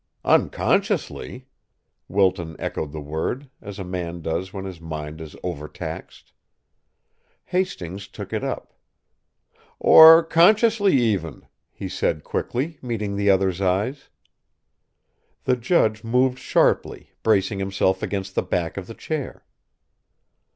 "Unconsciously?" Wilton echoed the word, as a man does when his mind is overtaxed. Hastings took it up. "Or consciously, even," he said quickly, meeting the other's eyes. The judge moved sharply, bracing himself against the back of the chair.